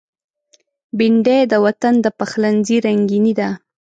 بېنډۍ د وطن د پخلنځي رنگیني ده